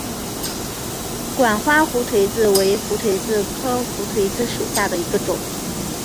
管花胡颓子为胡颓子科胡颓子属下的一个种。